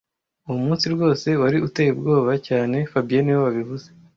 Uwo munsi rwose wari uteye ubwoba cyane fabien niwe wabivuze